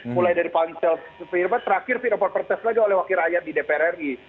mulai dari pancel terakhir viroport pertes lagi oleh wakil raya di dpr ri